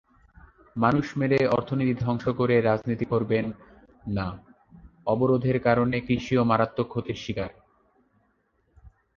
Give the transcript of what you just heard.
মানুষ মেরে, অর্থনীতি ধ্বংস করে রাজনীতি করবেন নাঅবরোধের কারণে কৃষিও মারাত্মক ক্ষতির শিকার।